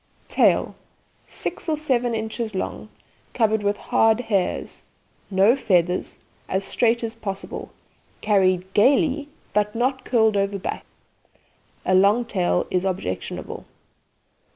TAIL Six or seven inches long, covered with hard hairs, no feathers, as straight as possible; carried gaily, but not curled over back. A long tail is objectionable.